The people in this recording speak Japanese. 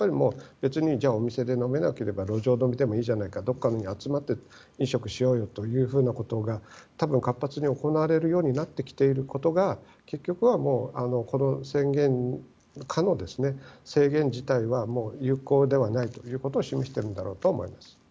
別にお店で飲めなければ路上飲みでもいいじゃないかどこかに集まって飲食しようよということが多分、活発に行われるようになってきていることが結局はこの宣言下の宣言自体は有効ではないということを示しているんだろうと思います。